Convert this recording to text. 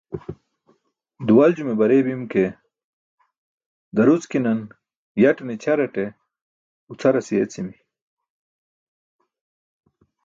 duwaljume barey bim ke daruckinan yaṭne ćʰar aṭe gucʰaras yeecimi